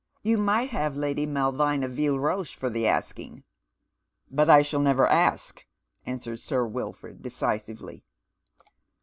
You might have Lady Malvina Vielleroche for the asking." "But I never shall ask," answers Sir Wilford decisively.